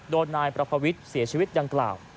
โดนนายประพวิทย์เสียชีวิตดังกล่าว